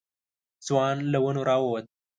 ځوان له ونو راووت.